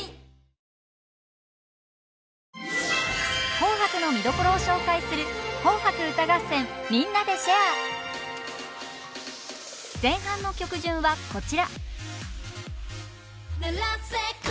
「紅白」の見どころを紹介する前半の曲順はこちら。